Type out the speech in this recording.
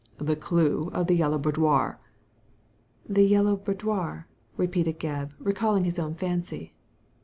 « The clue of the Yellow Boudoir." " The Yellow Boudoir I " repeated Gebb, recalling his own fancy.